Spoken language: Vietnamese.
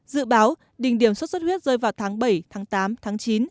dự báo đỉnh điểm xuất xuất huyết rơi vào tháng bảy tháng tám tháng chín